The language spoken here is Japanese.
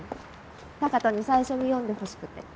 タカトに最初に読んでほしくて。